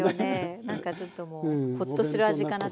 何かちょっともうホッとする味かなと。